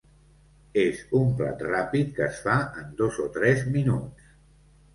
És un plat ràpid que es fa en dos o tres minuts.